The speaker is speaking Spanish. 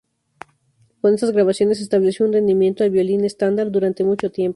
Con estas grabaciones estableció un rendimiento al violín estándar durante mucho tiempo.